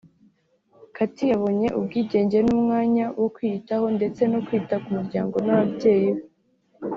Katie yabonye ubwigenge n’umwanya wo kwiyitaho ndetse no kwita ku muryango n’ababyeyi be